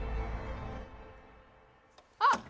あっ！